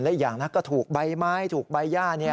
และอีกอย่างนะก็ถูกใบไม้ถูกใบย่า